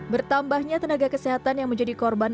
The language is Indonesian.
bertambahnya tenaga kesehatan yang menjadi korban